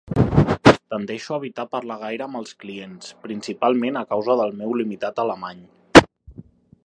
Tendeixo a evitar parlar gaire amb els clients, principalment a causa del meu limitat alemany.